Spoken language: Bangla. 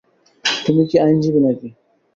তুমি কি, আইনজীবী নাকি?